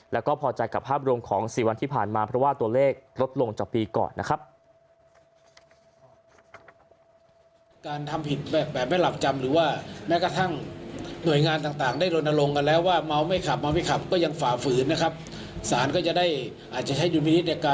แล้วก็พอใจกับภาพรวมของ๔วันที่ผ่านมาเพราะว่าตัวเลขลดลงจากปีก่อนนะครับ